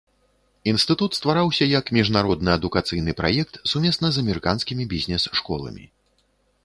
Інстытут ствараўся як міжнародны адукацыйны праект сумесна з амерыканскімі бізнес-школамі.